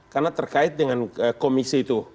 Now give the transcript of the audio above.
karena terkait dengan komisi itu